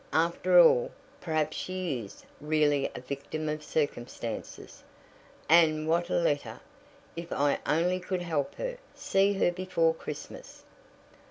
"After all, perhaps she is really a victim of circumstances. And what a letter! If I only could help her see her before Christmas."